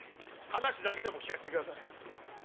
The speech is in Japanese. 話だけでも聞かしてください。